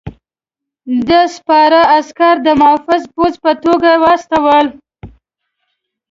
ده سپاره عسکر د محافظ پوځ په توګه واستول.